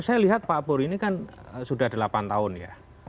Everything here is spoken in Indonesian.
saya lihat pak pur ini kan sudah delapan tahun ya